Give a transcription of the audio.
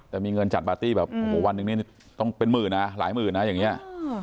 แต่มีเงินจัดปาร์ตี้แบบโอ้โหวันหนึ่งนี่ต้องเป็นหมื่นนะหลายหมื่นนะอย่างนี้